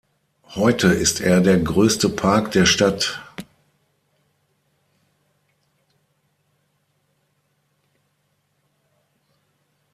Heute ist er der größte Park der Stadt.